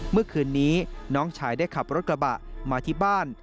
เมื่อคืนนี้น้องชายได้ขับรถกระบะมาที่บ้าน